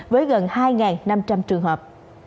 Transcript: với gần hai năm trăm linh trường hợp